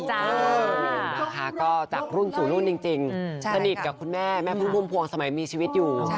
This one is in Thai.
จากรุ่นสู่รุ่นจริงสนิทกับคุณแม่แม่ผู้พวงสมัยมีชีวิตอยู่